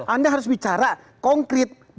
anda harus bicara konkret